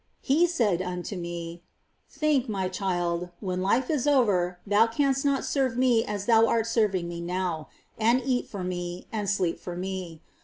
He said unto me :" Think, My child, when life is over, thou canst not serve Me as thou art serving Me now, and eat for Me, and sleep for Me.